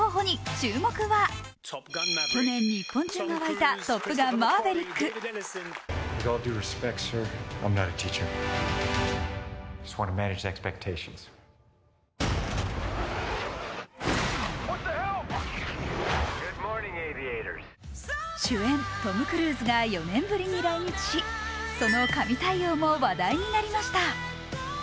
注目は去年、日本中が沸いた「トップガンマーヴェリック」主演、トム・クルーズが４年ぶりに来日し、その神対応も話題になりました。